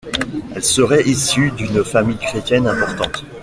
Elle serait issue d'une famille chrétienne importante.